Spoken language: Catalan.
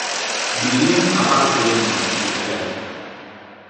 Vivien a Park Lane, Mayfair.